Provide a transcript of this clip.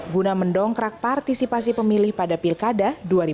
guna mendongkrak partisipasi pemilih pada pilkada dua ribu dua puluh